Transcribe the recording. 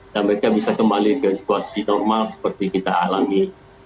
dan mereka bisa kembali ke situasi normal seperti kita alami